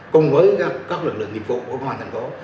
cùng với các lực lượng nghiệp vụ của công an thành phố